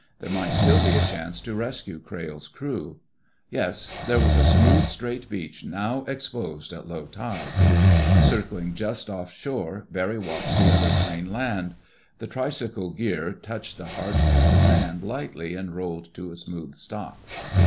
There might still be a chance to rescue Crayle's crew. Yes! There was a smooth, straight beach, now exposed at low tide. Circling just offshore, Barry watched the other plane land. The tricycle gear touched the hard packed sand lightly and rolled to a smooth stop.